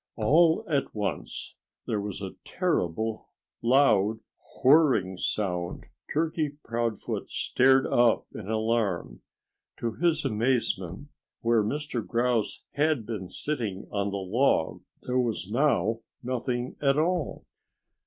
All at once there was a terrible, loud whirring sound. Turkey Proudfoot started up in alarm. To his amazement, where Mr. Grouse had been sitting on the log there was now nothing at all.